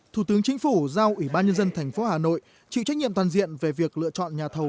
thủ tướng chính phủ giao ủy ban nhân dân tp hà nội chịu trách nhiệm toàn diện về việc lựa chọn nhà thầu